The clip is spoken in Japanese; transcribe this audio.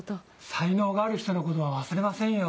才能がある人のことは忘れませんよ。